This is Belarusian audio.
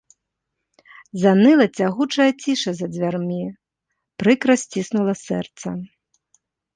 Заныла цягучая ціша за дзвярмі, прыкра сціснула сэрца.